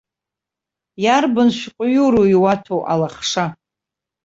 Иарбан шәҟәыҩроу иуаҭәоу, алахша!